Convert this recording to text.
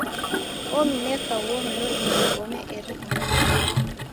Omneka uo mlodi magome eri ulombelo.